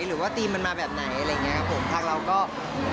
หรือว่าสภาพมันมาแบบไหนอะไรอย่างนี้ครับผม